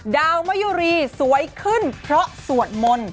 ดาวมะยุรีสวยขึ้นเพราะสวดมนต์